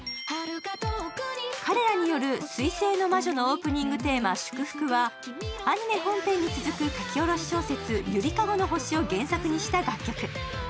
彼らによる「水星の魔女」のオープニングテーマ「祝福」はアニメ本編に続く書き下ろし小説「ゆりかごの星」を原作にした楽曲。